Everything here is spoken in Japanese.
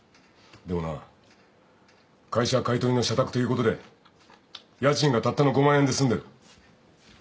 でもな会社買い取りの社宅ということで家賃がたったの５万円で済んでる。